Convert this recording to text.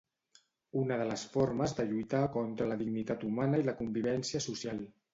Una de les formes de lluitar contra la dignitat humana i la convivència social.